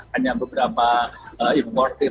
hanya beberapa importir